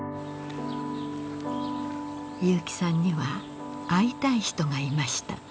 結城さんには会いたい人がいました。